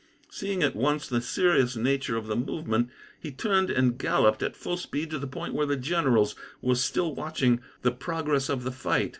Seeing at once the serious nature of the movement, he turned and galloped, at full speed, to the point where the generals were still watching the progress of the fight.